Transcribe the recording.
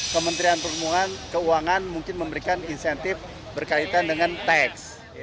kementerian perhubungan keuangan mungkin memberikan insentif berkaitan dengan tet